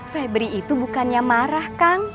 febri itu bukannya marah kang